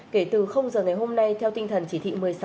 kể từ giờ ngày hôm nay theo tinh thần chỉ thị một mươi sáu